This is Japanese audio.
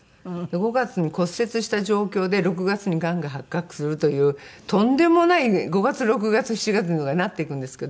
５月に骨折した状況で６月にがんが発覚するというとんでもない５月６月７月とかになっていくんですけど。